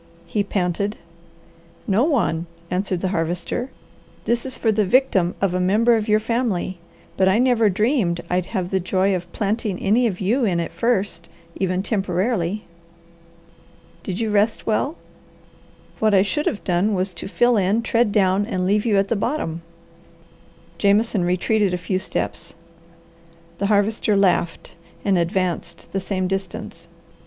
he panted. "No one," answered the Harvester. "This is for the victim of a member of your family, but I never dreamed I'd have the joy of planting any of you in it first, even temporarily. Did you rest well? What I should have done was to fill in, tread down, and leave you at the bottom." Jameson retreated a few steps. The Harvester laughed and advanced the same distance.